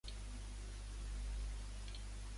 شریفوں کا حال ہی اور ہے۔